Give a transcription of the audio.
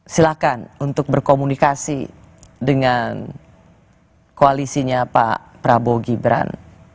silahkan untuk berkomunikasi dengan koalisinya pak prabowo gibran